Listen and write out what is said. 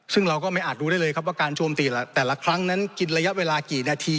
ซึ่งเราก็ไม่อาจรู้ได้เลยครับว่าการโจมตีแต่ละครั้งนั้นกินระยะเวลากี่นาที